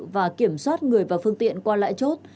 và kiểm soát người và phương tiện qua lại chốt